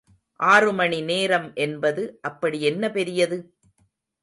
ஆறுமணி நேரம் என்பது அப்படி என்ன பெரியது?